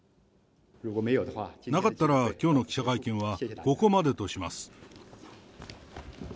なかったらきょうの記者会見はここまでとします。